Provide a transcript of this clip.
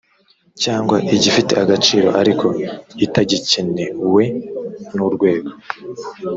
cyangwa igifite agaciro ariko itagikenewe n urwego